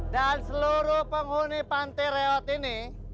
dan seluruh penghuni pantai rewat ini